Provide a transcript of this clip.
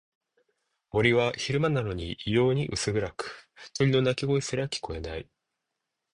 森は昼間なのに異様に薄暗く、鳥の鳴き声すら聞こえない。